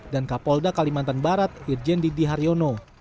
dan kapolda kalimantan barat irjen didi haryono